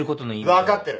分かってる！